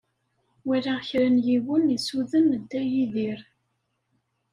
Walaɣ kra n yiwen isuden Dda Yidir.